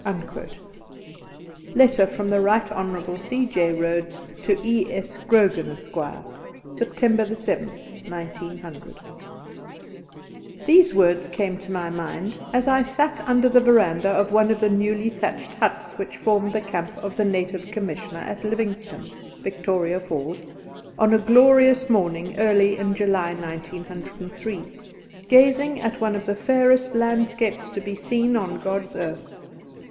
Letter from the Right Hon. C.J. Rhodes to E.S. Grogan, Esq., September 7, 1900. These words came to my mind as I sat under the verandah of one of the newly thatched huts which formed the camp of the Native Commissioner at Livingstone, Victoria Falls, on a glorious morning early in July, 1903, gazing at one of the fairest landscapes to be seen on God's earth.